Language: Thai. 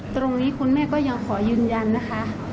ตรงนี้คุณแม่ก็ยังขอยืนยันนะคะ